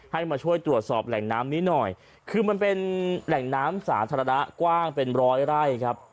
มาช่วยตรวจสอบแหล่งน้ำนี้หน่อยคือมันเป็นแหล่งน้ำสาธารณะกว้างเป็นร้อยไร่ครับ